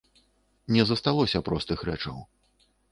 Не засталося простых рэчаў.